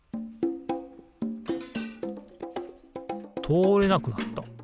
とおれなくなった。